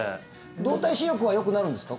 動体視力はよくなるんですか？